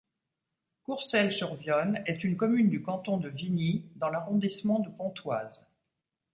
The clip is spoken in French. Courcelles-sur-Viosne est une commune du canton de Vigny, dans l'arrondissement de Pontoise.